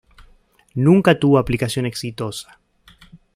Nunca tuvo aplicación exitosa.